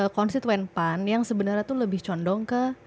konstituen pan yang sebenarnya itu lebih condong ke